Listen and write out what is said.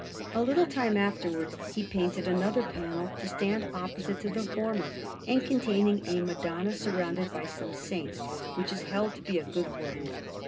A little time afterwards he painted another panel, to stand opposite to the former, and containing a Madonna surrounded by some saints, which is held to be a good work.